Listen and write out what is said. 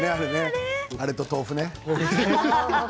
あれと豆腐ね。